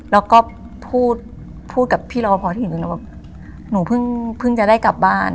เราก็พูดกับพี่รอพพึ่งจะได้กลับบ้าน